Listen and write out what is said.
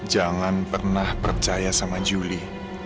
jangan pernah percaya sama julie